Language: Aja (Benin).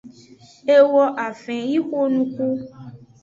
E woafen yi xonuxu.